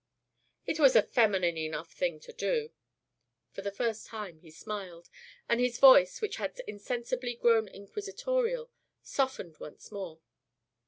"It was a feminine enough thing to do." For the first time he smiled, and his voice, which had insensibly grown inquisitorial, softened once more.